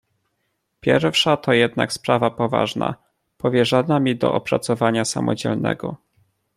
"Pierwsza to jednak sprawa poważna, powierzona mi do opracowania samodzielnego."